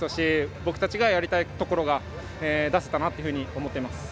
僕たちがやりたいところが出せたなというふうに思っています。